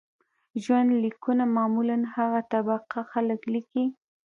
ژوند لیکونه معمولاً هغه طبقه خلک لیکي.